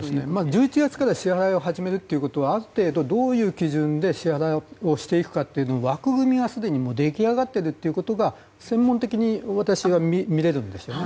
１１月から支払いを始めるということはある程度、どういう基準で支払いをしていくかという枠組みはすでに出来上がっているということが専門的に私は見れるんですよね。